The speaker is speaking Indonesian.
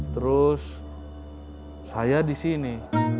terus saya di sini